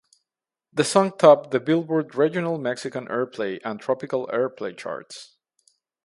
The song topped the "Billboard" Regional Mexican Airplay and Tropical Airplay charts.